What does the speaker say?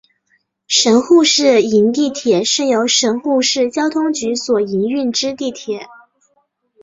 神户市营地铁是由神户市交通局所营运之地铁。